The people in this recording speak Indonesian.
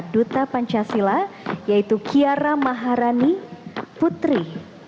duta pancasila yaitu kiara maharani putri